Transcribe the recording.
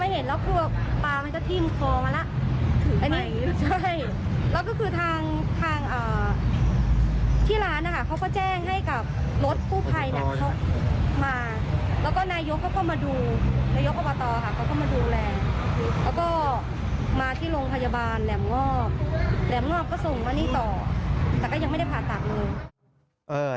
แหลมงอบก็ส่งมานี่ต่อแต่ก็ยังไม่ได้ผ่าตัดเลย